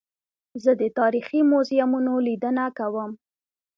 زه د تاریخي موزیمونو لیدنه کوم.